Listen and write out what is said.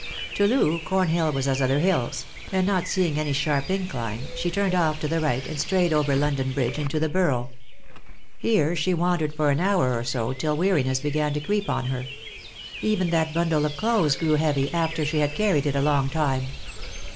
To Loo, Cornhill was as other hills ; and not seeing any sharp incline, she turned off to the right, and strayed over London bridge into the Borough. Here she wandered for an hour or so, till weariness began to creep on her. Even that bundle of clothes grew heavy, after she had carried it a long time.